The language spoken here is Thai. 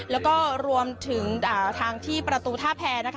แล้วก็รวมถึงทางที่ประตูท่าแพรนะคะ